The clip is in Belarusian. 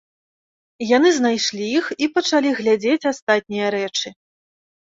Яны знайшлі іх і пачалі глядзець астатнія рэчы.